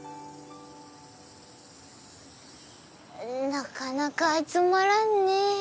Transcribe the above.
なかなか集まらんね